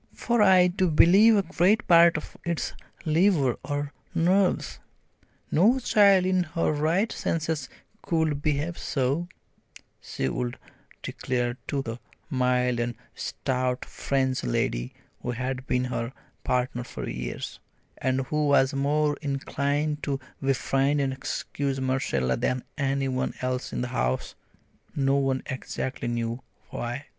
"For I do believe a great part of it's liver or nerves! No child in her right senses could behave so," she would declare to the mild and stout French lady who had been her partner for years, and who was more inclined to befriend and excuse Marcella than any one else in the house no one exactly knew why.